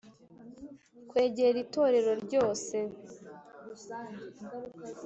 kwegera itorero ryose,